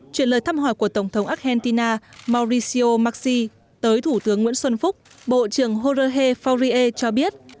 chuyển lời thăm hỏi của tổng thống argentina mauricio maci tới thủ tướng nguyễn xuân phúc bộ trưởng jorge faurier cho biết